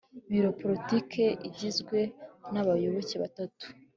Biro Politiki igizwe n abayoboke batatu